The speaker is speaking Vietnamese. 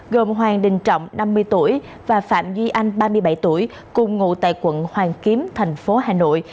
gồm hoàng đình trọng năm mươi tuổi và phạm duy anh ba mươi bảy tuổi cùng ngụ tại quận hoàn kiếm thành phố hà nội